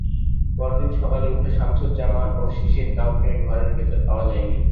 পরদিন সকালে উঠে শামছুজ্জামান ও শিশির কাউকে ঘরের ভেতর পাওয়া যায়নি।